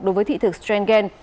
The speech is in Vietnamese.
đối với thị thực schengen